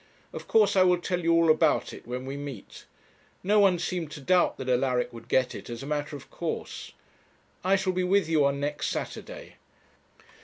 Of course I will tell you all about it when we meet. No one seemed to doubt that Alaric would get it, as a matter of course. I shall be with you on next Saturday.